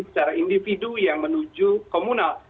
secara individu yang menuju komunal